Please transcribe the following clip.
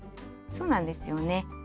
そうなんですよね。